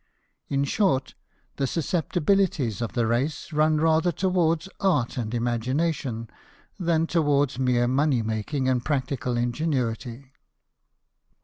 In short, the susceptibilities of the race run rather toward art and imagination, than toward mere money making and practical ingenuity.